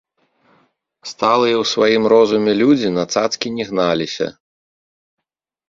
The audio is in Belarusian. Сталыя ў сваім розуме людзі на цацкі не гналіся.